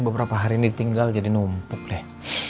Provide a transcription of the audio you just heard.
beberapa hari ini ditinggal jadi numpuk deh